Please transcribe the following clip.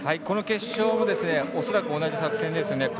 この決勝も恐らく同じ作戦ですね。